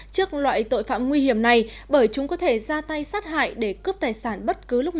trước loại tội phạm nguy hiểm này bởi chúng có thể ra tay sát hại để cướp tài sản bất cứ lúc nào